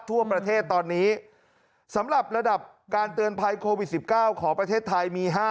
ทั่วประเทศตอนนี้สำหรับระดับการเตือนภัยโควิด๑๙ของประเทศไทยมี๕